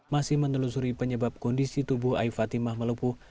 menurutnya tidak ada penyakit yang menyebabkan kondisi tubuh ai fatimah melepuh